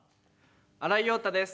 新井庸太です。